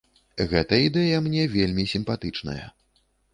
Гэта ідэя мне вельмі сімпатычная.